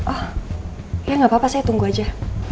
oh ya gak apa apa saya tunggu aja